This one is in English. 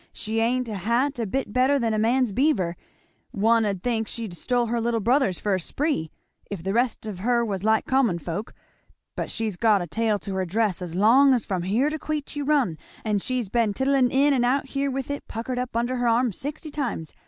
She 'a'n't a hat a bit better than a man's beaver, one 'ud think she had stole her little brother's for a spree, if the rest of her was like common folks; but she's got a tail to her dress as long as from here to Queechy Run; and she's been tiddling in and out here with it puckered up under her arm sixty times.